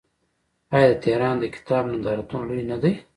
آیا د تهران د کتاب نندارتون لوی نه دی؟